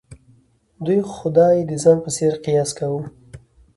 دوی خدای د ځان په څېر قیاس کاوه.